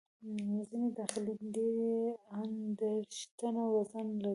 ځینې داخلي ډبرې یې ان دېرش ټنه وزن لري.